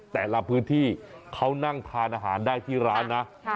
แต่ละพื้นที่เขานั่งทานอาหารได้ที่ร้านนะ